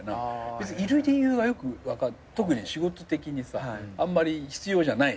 別にいる理由はよく特に仕事的にさあんまり必要じゃないみたいな。